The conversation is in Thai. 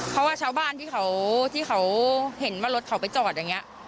เพราะว่าชาวบ้านที่เขาเห็นว่ารถเขาไปจอดอย่างนี้